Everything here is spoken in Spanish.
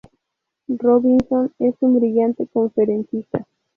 Robinson es un brillante conferencista.